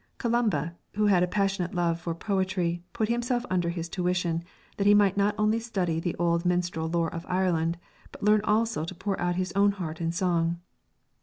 Columba, who had a passionate love for poetry, put himself under his tuition that he might not only study the old minstrel lore of Ireland, but learn also to pour out his own heart in song.